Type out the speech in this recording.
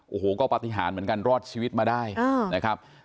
โอ้โหก็ปฏิหารเหมือนกันรอดชีวิตมาได้นะครับ